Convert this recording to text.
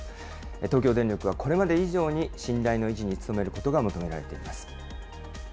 東京電力はこれまで以上に信頼の維持に努めることが求められています。